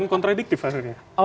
bukan kontradiktif maksudnya